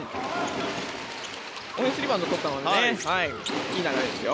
オフェンスリバウンドを取ったのはいい流れですよ。